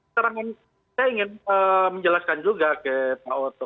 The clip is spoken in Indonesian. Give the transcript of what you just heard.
saya ingin menjelaskan juga ke pak otto